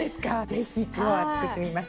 ぜひ今日は作ってみましょう。